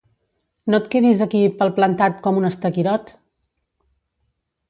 No et quedis aquí palplantat, com un estaquirot!